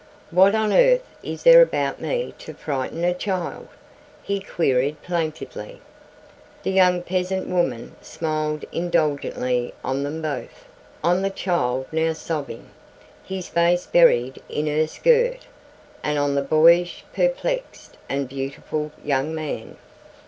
"What on earth is there about me to frighten a child?" he queried plaintively. The young peasant woman smiled indulgently on them both, on the child now sobbing, his face buried in her skirt, and on the boyish, perplexed, and beautiful young man.